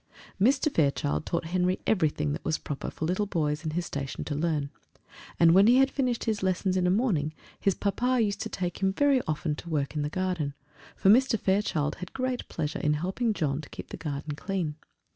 Mr. Fairchild taught Henry everything that was proper for little boys in his station to learn; and when he had finished his lessons in a morning, his papa used to take him very often to work in the garden; for Mr. Fairchild had great pleasure in helping John to keep the garden clean.